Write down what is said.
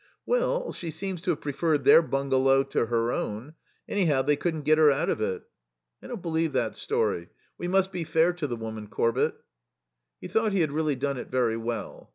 "Well, she seems to have preferred their bungalow to her own. Anyhow, they couldn't get her out of it." "I don't believe that story. We must be fair to the woman, Corbett." He thought he had really done it very well.